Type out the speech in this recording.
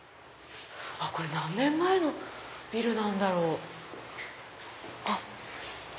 これ何年前のビルなんだろう？あっ！